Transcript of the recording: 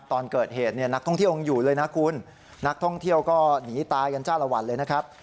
ตอนเกิดเหตุเนี่ยนักท่องเที่ยวยังอยู่เลยนะคุณนักท่องเที่ยวก็หนีตายกันจ้าละวันเลยนะครับ